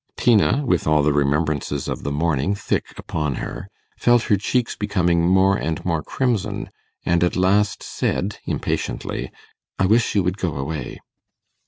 Tina, with all the remembrances of the morning thick upon her, felt her cheeks becoming more and more crimson, and at last said impatiently, 'I wish you would go away.